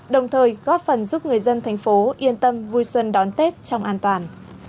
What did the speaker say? đồng thời góp phần giúp người dân thành phố yên tâm vui xuân đón tết trong an toàn